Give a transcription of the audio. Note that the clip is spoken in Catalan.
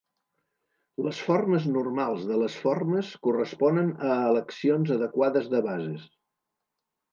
Les formes normals de les formes corresponen a eleccions adequades de bases.